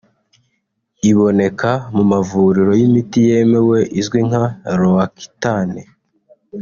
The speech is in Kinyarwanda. iboneka mu mavuriro y’imiti yemewe izwi nka ‘Roaccutane’